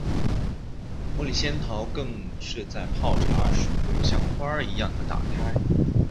茉莉仙桃更是在泡茶时会像花一样打开。